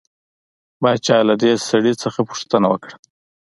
باچا له دې سړي څخه پوښتنه وکړه.